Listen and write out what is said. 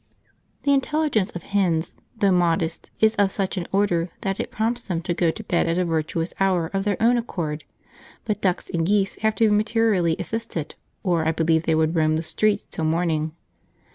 jpg} The intelligence of hens, though modest, is of such an order that it prompts them to go to bed at a virtuous hour of their own accord; but ducks and geese have to be materially assisted, or I believe they would roam till morning.